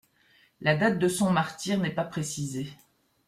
La date de son martyr n'est pas précisée.